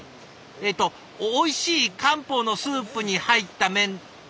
えっとおいしい漢方のスープに入った麺。